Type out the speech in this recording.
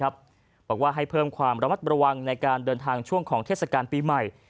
บอกว่าให้เพิ่มความระมัดระวังในการเดินทางช่วงของเทศกาลปีใหม่